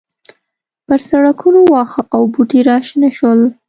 پر سړکونو واښه او بوټي راشنه شول.